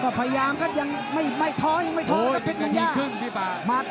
โอ้ยอาทิตย์ครึ่งพี่พะ